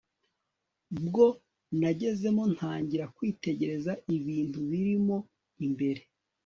bwo nagezemo ntangira kwitegereza ibintu birimo imbere